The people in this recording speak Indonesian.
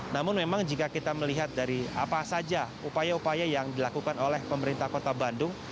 namun memang jika kita melihat dari apa saja upaya upaya yang dilakukan oleh pemerintah kota bandung